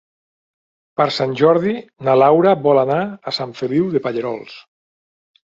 Per Sant Jordi na Laura vol anar a Sant Feliu de Pallerols.